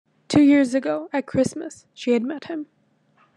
Two years ago, at Christmas, she had met him.